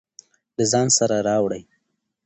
له ځان سره راوړئ.